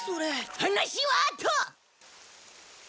話はあと！